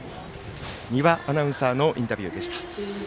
三輪アナウンサーのインタビューでした。